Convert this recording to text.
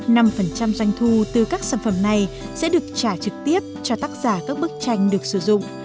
năm doanh thu từ các sản phẩm này sẽ được trả trực tiếp cho tác giả các bức tranh được sử dụng